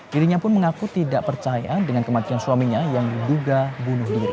dirinya pun mengaku tidak percaya dengan kematian suaminya yang diduga bunuh diri